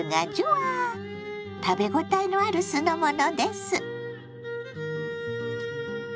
食べ応えのある酢の物です。